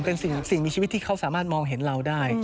เป็นสิ่งมีชีวิตที่เขาสามารถมองเห็นเราได้